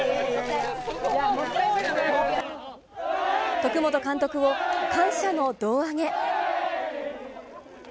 徳本監督を感謝の胴上げ。